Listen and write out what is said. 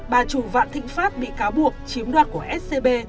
bà chủ vạn thịnh pháp bị cáo buộc chiếm đoạt của scb